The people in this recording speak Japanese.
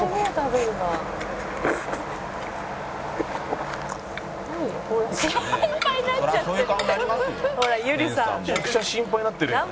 「めちゃくちゃ心配になってるよね」